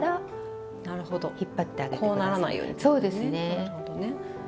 なるほどね。